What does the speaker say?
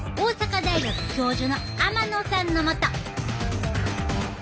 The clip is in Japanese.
大阪大学教授の天野さんのもと。